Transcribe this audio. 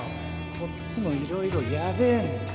こっちもいろいろやべえんだよ。